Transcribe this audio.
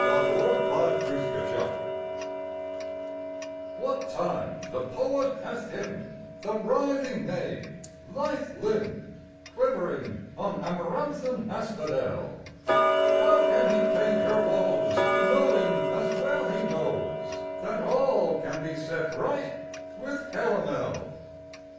POETRY EVERYWHERE WHAT time the poet hath hymned The writhing maid, lithe limbed, Quivering on amaranthine asphodel, How can he paint her woes, Knowing, as well he knows, That all can be set right with calomel?